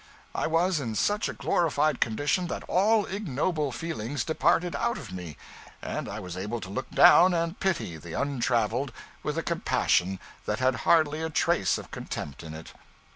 I was in such a glorified condition that all ignoble feelings departed out of me, and I was able to look down and pity the untraveled with a compassion that had hardly a trace of contempt in it.